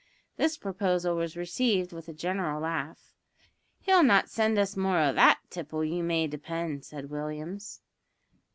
This proposal was received with a general laugh. "He'll not send us more o' that tipple, you may depend," said Williams.